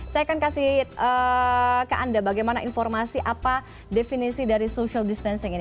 saya akan kasih ke anda bagaimana informasi apa definisi dari social distancing ini